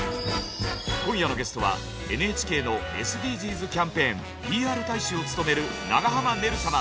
今夜のゲストはＮＨＫのＳＤＧｓキャンペーンＰＲ大使を務める長濱ねる様。